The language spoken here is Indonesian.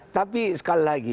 tapi sekali lagi